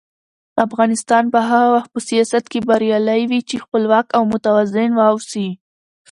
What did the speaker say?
افغانستان به هغه وخت په سیاست کې بریالی وي چې خپلواک او متوازن واوسي.